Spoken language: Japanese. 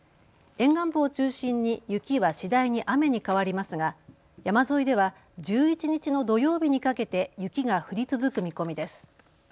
沿岸部を中心に雪は次第に雨に変わりますが山沿いでは１１日の土曜日にかけて雪が降り続く見込みです。